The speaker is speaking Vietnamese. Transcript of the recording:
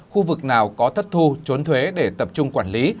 khu vực nào có thất thu trốn thuế để tập trung quản lý